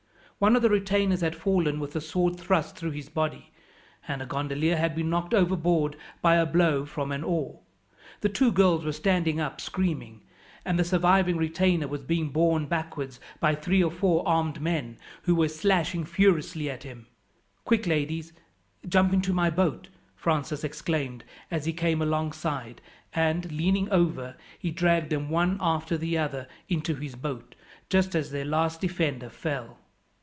One of the retainers had fallen with a sword thrust through his body, and a gondolier had been knocked overboard by a blow from an oar. The two girls were standing up screaming, and the surviving retainer was being borne backwards by three or four armed men, who were slashing furiously at him. "Quick, ladies, jump into my boat!" Francis exclaimed as he came alongside, and, leaning over, he dragged them one after the other into his boat, just as their last defender fell.